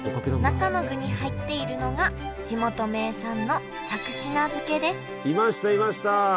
中の具に入っているのが地元名産のいましたいました！